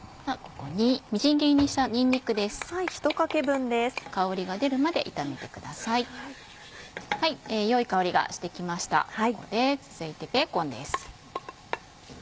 ここで続いてベーコンです。